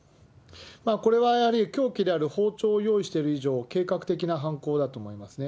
これはやはり、凶器である包丁を用意している以上、計画的な犯行だと思いますね。